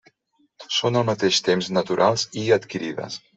Són al mateix temps naturals i adquirides.